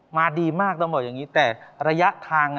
ดีมากต้องบอกอย่างนี้แต่ระยะทาง